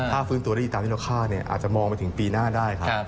ถ้าฟื้นตัวได้ดีตามที่เราคาดอาจจะมองไปถึงปีหน้าได้ครับ